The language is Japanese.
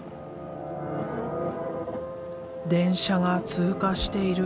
電車が通過している。